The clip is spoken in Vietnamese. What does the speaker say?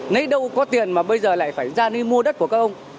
lấy đâu có tiền mà bây giờ lại phải ra đi mua đất của các ông